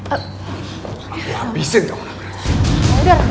aku akan menghabiskan kamu